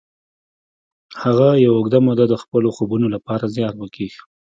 هغه یوه اوږده موده د خپلو خوبونو لپاره زیار وکیښ